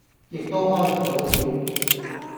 亦都開唔到竅